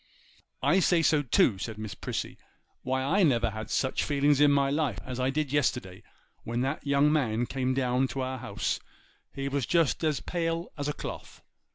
'I say so too,' said Miss Prissy: 'why I never had such feelings in my life as I did yesterday when that young man came down to our house; he was just as pale as a cloth.